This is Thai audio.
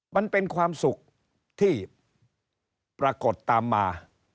มันเป็นความสุขที่ปรากฏตามมา